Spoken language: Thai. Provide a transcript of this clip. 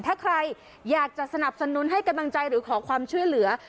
ถ้าใครอยากจะสนับสนุนให้กำลังใจหรือขอความช่วยเหลือ